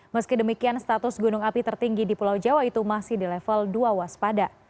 meski demikian status gunung api tertinggi di pulau jawa itu masih di level dua waspada